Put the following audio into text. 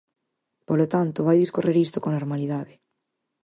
Polo tanto, vai discorrer isto con normalidade.